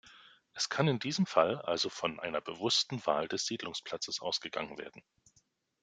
Es kann in diesem Fall also von einer bewussten Wahl des Siedlungsplatzes ausgegangen werden.